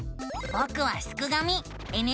ぼくはすくがミ。